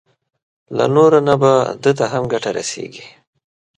له نورو نه به ده ته هم ګټه رسېږي.